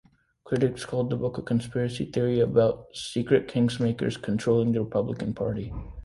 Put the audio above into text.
Critics called the book a conspiracy theory about "secret kingmakers" controlling the Republican Party.